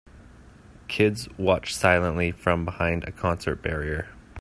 Kids watch silently from behind a concert barrier.